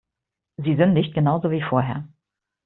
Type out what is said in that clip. Sie sündigt genauso wie vorher.